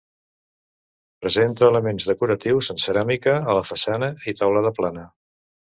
Presenta elements decoratius en ceràmica a la façana i teulada plana.